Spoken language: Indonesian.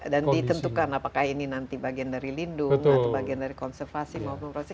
dan ditentukan apakah ini nanti bagian dari lindung atau bagian dari konservasi maupun proses